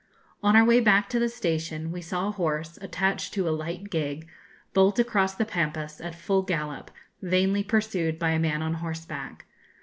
On our way back to the station we saw a horse, attached to a light gig, bolt across the Pampas at full gallop, vainly pursued by a man on horseback.